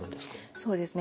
そうですね。